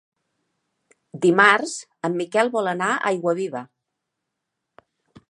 Dimarts en Miquel vol anar a Aiguaviva.